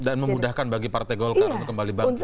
dan memudahkan bagi partai golkar untuk kembali bangkit